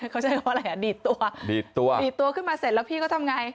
เขาใช้เพราะอะไรอ่ะดีดตัวดีดตัวดีดตัวขึ้นมาเสร็จแล้วพี่ก็ทำไง